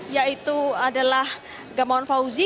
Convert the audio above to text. yaitu adalah gamaun fauzi